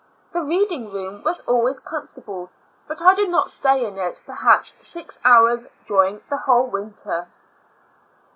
The reading room was always com fortable, but I did not stay in it perhaps six hours during the whole winter.